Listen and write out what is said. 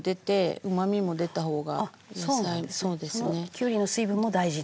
きゅうりの水分も大事なんだ。